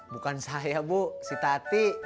bukan saya bu si tati